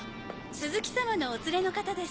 鈴木様のお連れの方です。